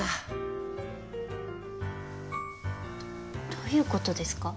どどういうことですか？